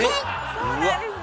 そうなんです。